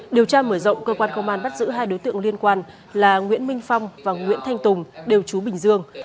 điều tra mở rộng cơ quan công an bắt giữ hai đối tượng liên quan là nguyễn minh phong và nguyễn thanh tùng đều chú bình dương